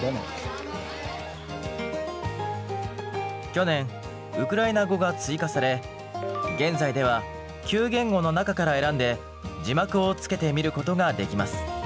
去年ウクライナ語が追加され現在では９言語の中から選んで字幕をつけて見ることができます。